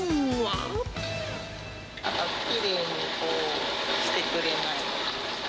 きれいにしてくれない。